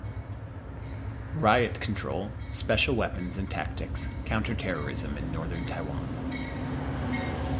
Riot control, Special Weapons and Tactics, counter-terrorism in northern Taiwan.